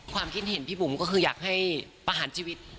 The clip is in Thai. ความคิดเห็นพี่บุ๋มก็คืออยากให้ประหารชีวิต